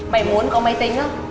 mày muốn có máy tính á